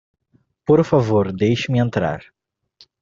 Por favor, deixe-me entrar.